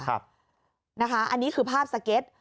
อันนี้คือภาพสเก็ต